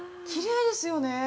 ◆きれいですよね。